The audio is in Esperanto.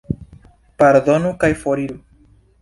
Pardonu kaj foriru.